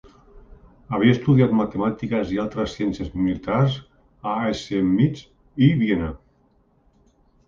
Havia estudiat matemàtiques i altres ciències militars a Schemnitz i Viena.